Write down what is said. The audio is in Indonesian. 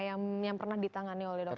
berapa lama yang pernah ditangani oleh dokter